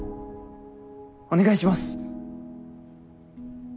お願いします！